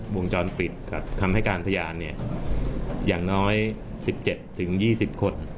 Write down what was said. วงจรปิดกับการทรยานเนี่ยอย่างน้อยสิบเจ็บถึงยี่สิบคน